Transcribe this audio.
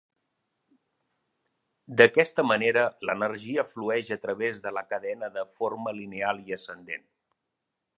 D'aquesta manera, l'energia flueix a través de la cadena de forma lineal i ascendent.